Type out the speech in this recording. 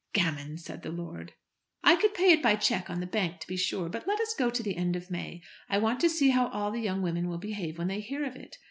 "Gammon!" said the lord. "I could pay it by a cheque on the bank, to be sure, but let us go on to the end of May. I want to see how all the young women will behave when they hear of it."